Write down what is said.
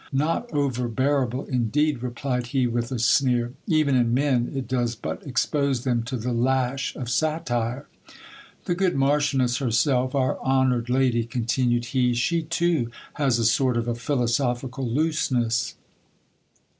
Not over bearable indeed ! replied he with a sneer : even in men it does but expose them to the lash of satire. The good marchioness herself, our honoured lady, continued he, she too has a sort of a philosophical looseness.